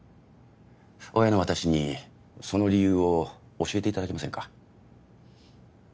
親の私にその理由を教えていただけませんか？